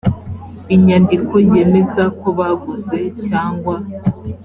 inyandiko yemeza ko baguze cyangwa